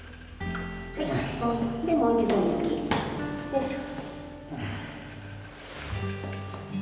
でもう一度右よいしょ。